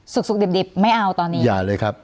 สุกดิบดิบไม่เอาตอนนี้อย่าเลยครับ